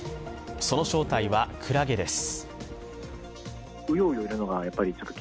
その正体は、クラゲです。